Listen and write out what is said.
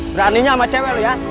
beraninya sama cewek lo ya